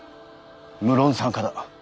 無論参加だ。